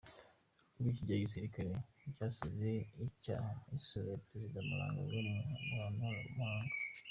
Ibikorwa by'iki gisirikare byasize icyasha isura ya Perezida Mnangagwa mu ruhando rw'amahanga.